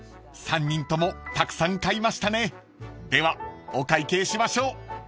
［３人ともたくさん買いましたねではお会計しましょう］